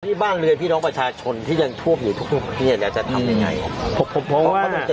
นี่บ้างพี่น้องประชาชนที่ยังทวบอยู่ทุกปีอยากจะทำยังไง